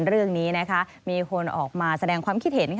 เรื่องนี้มีคนออกมาแสดงความคิดเห็น